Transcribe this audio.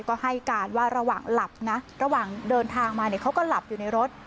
ก็ให้การว่าระหว่างหลับนะระหว่างเดินทางมาเนี่ยเขาก็หลับอยู่ในรถ